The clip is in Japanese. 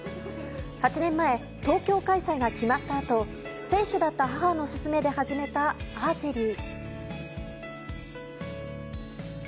８年前、東京開催が決まったあと選手だった母の勧めで始めたアーチェリー。